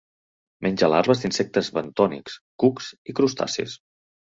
Menja larves d'insectes bentònics, cucs i crustacis.